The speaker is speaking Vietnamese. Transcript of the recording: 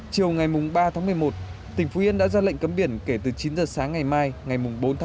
chiều ngày ba một mươi một tỉnh phú yên đã ra lệnh cấm biển kể từ chín h sáng ngày mai ngày bốn một mươi một